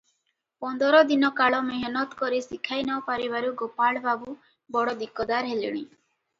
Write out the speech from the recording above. ପନ୍ଦର ଦିନକାଳ ମେହନତ କରି ଶିଖାଇ ନ ପାରିବାରୁ ଗୋପାଳବାବୁ ବଡ଼ ଦିକଦାର ହେଲେଣି ।